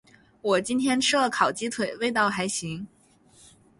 我今天吃了烤鸡腿，味道还行。